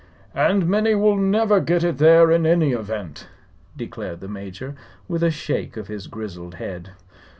"And many will never get it there in any event," declared the Major, with a shake of his grizzled head.